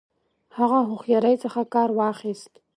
هغه هوښیاري څخه کار واخیست.